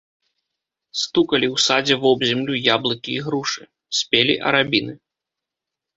Стукалі ў садзе вобземлю яблыкі і грушы, спелі арабіны.